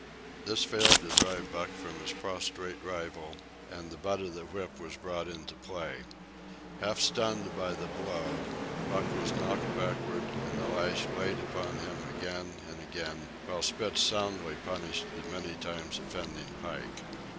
This failed to drive Buck from his prostrate rival, and the butt of the whip was brought into play. Half stunned by the blow, Buck was knocked backward and the lash laid upon him again and again, while Spitz soundly punished the many times offending Pike.